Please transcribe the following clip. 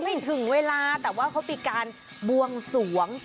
ถึงเวลาแต่ว่าเขามีการบวงสวง